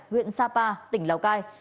huyện sapa tỉnh lào cai